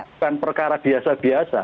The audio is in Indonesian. bukan perkara biasa biasa